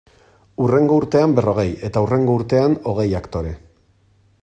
Hurrengo urtean berrogei, eta hurrengo urtean hogei aktore.